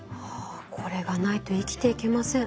これがないと生きていけません。